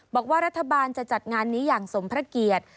บอกว่ารัฐบาลจะจัดงานนี้อย่างสมพระเกียรติ